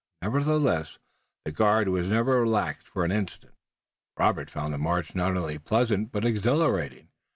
Nevertheless the guard was never relaxed for an instant. Robert found the march not only pleasant but exhilarating.